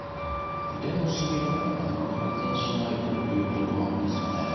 腕のしびれがなかなか改善しないということなんですよね。